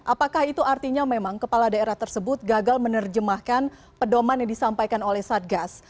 apakah itu artinya memang kepala daerah tersebut gagal menerjemahkan pedoman yang disampaikan oleh satgas